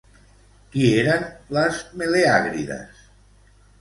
Qui eren les Meleàgrides?